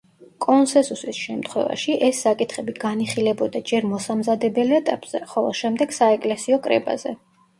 კონსესუსის შემთხვევაში ეს საკითხები განიხილებოდა ჯერ მოსამზადებელ ეტაპზე, ხოლო შემდეგ საეკლესიო კრებაზე.